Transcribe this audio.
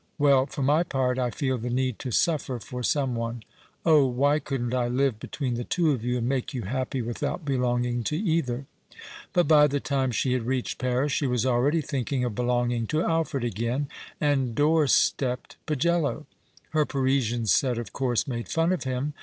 ... Well, for my part, I feel the need to suffer for some one. Oh ! why couldn't I live between the two of you and make you happy without belonging to either ?" But by the time she had reached Paris she was already thinking of belonging to Alfred again, and " door stepped " Pagello. Her Parisian set, of course, made fun of him.